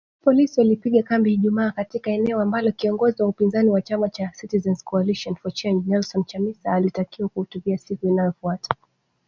Polisi walipiga kambi Ijumaa katika eneo ambalo kiongozi wa upinzani wa chama cha Citizens’ Coalition for Change, Nelson Chamisa, alitakiwa kuhutubia siku inayofuata